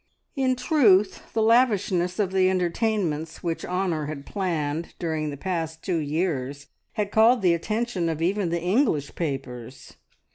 In truth, the lavishness of the entertainments which Honor had planned during the past two years had called the attention of even the English papers.